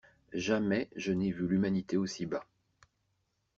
Jamais je n'ai vu l'humanité aussi bas.